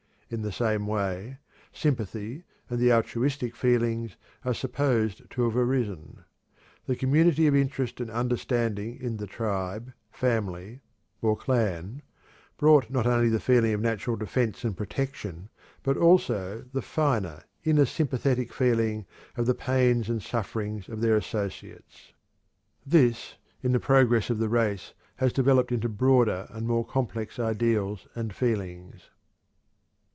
In the same way sympathy and the altruistic feelings are supposed to have arisen. The community of interest and understanding in the tribe, family, or clan brought not only the feeling of natural defense and protection but also the finer, inner sympathetic feeling of the pains and sufferings of their associates. This, in the progress of the race, has developed into broader and more complex ideals and feelings.